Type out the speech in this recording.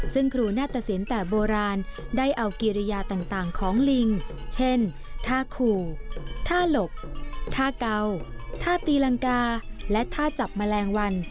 ซึ่งครูนาตสินแต่โบราณได้เอากิริยาต่างของลิงเช่นท่าขู่ท่าหลบท่าเก่าท่าตีรังกาและท่าจับแมลงวัน